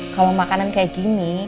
kalau makanan kayak gini